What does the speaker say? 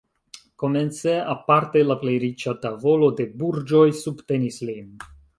Komence aparte la plej riĉa tavolo de burĝoj subtenis lin.